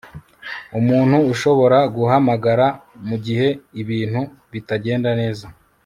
umuntu ushobora guhamagara mugihe ibintu bitagenda neza